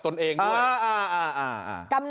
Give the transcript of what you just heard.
สวัสดีครับ